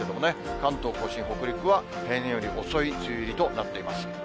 関東甲信、北陸は平年より遅い梅雨入りとなっています。